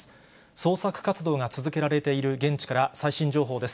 捜索活動が続けられている現地から、最新情報です。